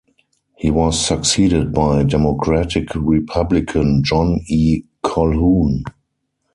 He was succeeded by Democratic-Republican John E. Colhoun.